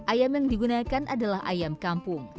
ayam yang digunakan adalah ayam kampung